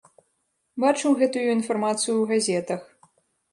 Бачыў гэтую інфармацыю ў газетах.